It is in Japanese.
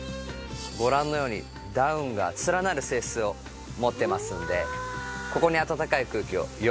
ご覧のようにダウンが連なる性質を持ってますのでここに暖かい空気をより含んでくれます。